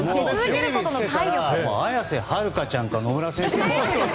綾瀬はるかちゃんと野村先生と。